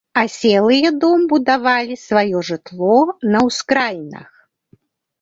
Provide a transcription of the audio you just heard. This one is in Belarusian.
Аселыя дом будавалі сваё жытло на ўскраінах.